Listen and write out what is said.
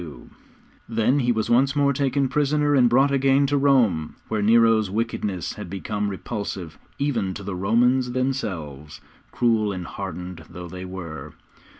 PAUL TRAVELLED INTO ROME, AS IT APPEARS TO DAY] Then he was once more taken prisoner and brought again to Rome, where Nero's wickedness had become repulsive even to the Romans themselves, cruel and hardened though they were.